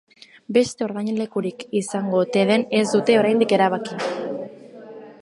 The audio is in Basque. Beste ordainlekurik izango ote den ez dute oraindik erabaki.